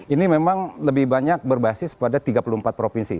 ini memang lebih banyak berbasis pada tiga puluh empat provinsi